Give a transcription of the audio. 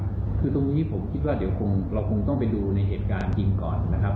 คือตรงนี้ผมคิดว่าเดี๋ยวเราคงต้องไปดูในเหตุการณ์จริงก่อนนะครับ